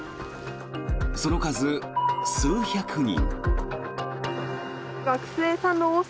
その数、数百人。